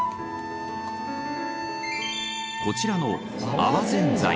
こちらのあわぜんざい。